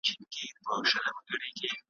د ناست زمري څخه، ولاړه ګيدړه ښه ده .